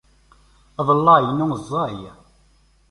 Aḍellaɛ-inu ẓẓay.